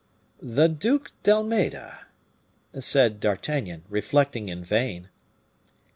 "The Duc d'Almeda?" said D'Artagnan, reflecting in vain.